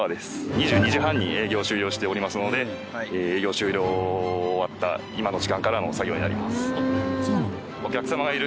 ２２時半に営業を終了しておりますので営業終了終わった今の時間からの作業になります。